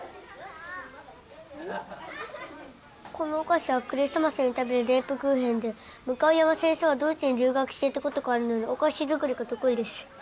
このお菓子はクリスマスに食べるレープクーヘンで向山先生はドイツに留学していた事があるのでお菓子作りが得意です。